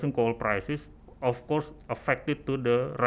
harga kualitas yang menaik tentu saja